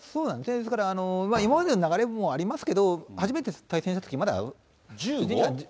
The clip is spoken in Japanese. だから今までの流れもありますけど、初めて対戦したとき、まだ。